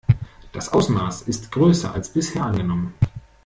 Das Ausmaß ist größer als bisher angenommen.